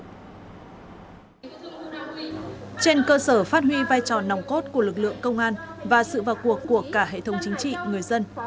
trên cơ sở phát huy vai trò nòng cốt của lực lượng công an và sự vào cuộc của cả hệ thống chính trị người dân